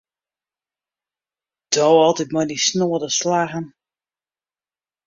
Do altyd mei dyn snoade slaggen.